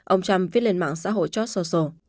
ông trump viết lên mạng xã hội george sosso